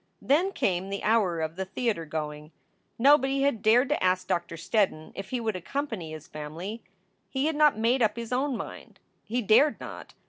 Then came the hour of the theatergoing. Nobody had dared to ask Doctor Steddon if he would accompany his family. He had not made up his own mind. He dared not.